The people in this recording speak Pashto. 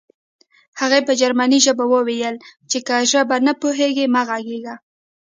هغې په جرمني ژبه وویل چې که ژبه نه پوهېږې مه غږېږه